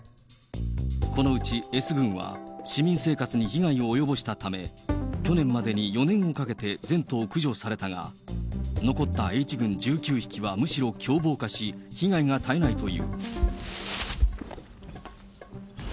このうちＳ群は、市民生活に被害を及ぼしたため、去年までに４年をかけて全頭駆除されたが、残ったＨ群１９匹はむしろ凶暴化し、被害が絶えないという。